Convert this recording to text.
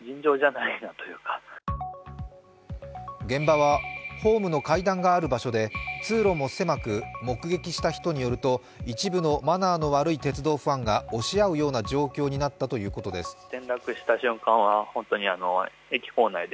現場はホームの階段がある場所で通路も狭く、目撃した人によると、一部のマナーの悪い鉄道ファンが押し合うような状況になったということです。